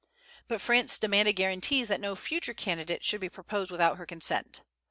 But France demanded guarantees that no future candidate should be proposed without her consent.